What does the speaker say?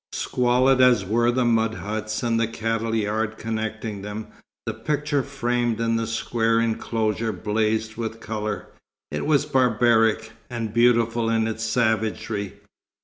Squalid as were the mud huts and the cattle yard connecting them, the picture framed in the square enclosure blazed with colour. It was barbaric, and beautiful in its savagery.